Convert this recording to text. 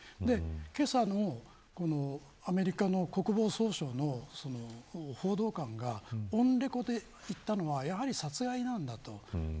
けさのアメリカの国防総省の報道官がオンレコで言ったのはやはり殺害なんだと。